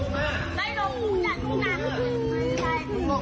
ไม่ได้บังคับ